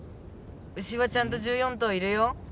牛はちゃんと１４頭いるよ。